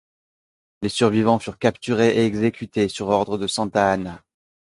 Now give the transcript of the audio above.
Les survivants furent capturés et exécutés sur ordre de Santa Anna.